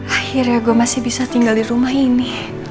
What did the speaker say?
akhirnya gue masih bisa tinggal di rumah ini